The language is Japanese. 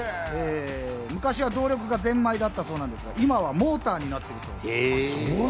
昔は動力がゼンマイだったそうですが、今はモーターになっているんですって。